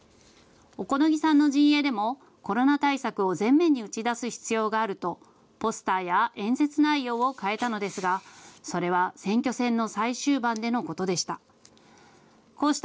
小此木さんの陣営でもコロナ対策を前面に打ち出す必要があるとポスターや演説内容を変えたのですが、それは選挙戦の最終盤でのことでした。